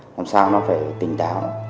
làm sao nó phải tinh táo